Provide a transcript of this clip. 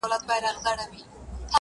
تانه قربان تانه لوګے تانه زار ډزې کېدې